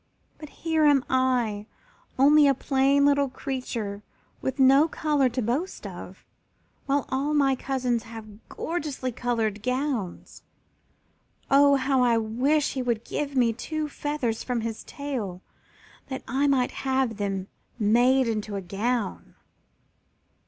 "But here am I, only a plain little creature, with no color to boast of, while all my cousins have gorgeously colored gowns. Oh, how I do wish he would give me two feathers from his tail that I might have them made into a gown!"